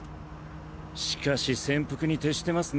しかし潜伏に徹してますね。